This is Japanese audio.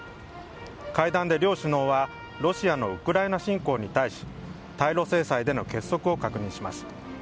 会談で両首脳は、ロシアのウクライナ侵攻に対し、対ロ制裁での結束を確認します。